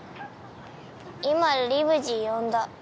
今リムジン呼んだ。